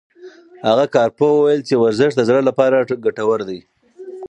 هغه کارپوه وویل چې ورزش د زړه لپاره ګټور دی.